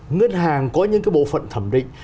ngân hàng có những cái bộ phận thẩm định